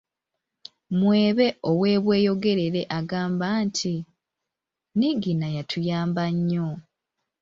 Mwebe ow’e Bweyogerere agamba nti, ‘‘Niigiina yatuyamba nnyo."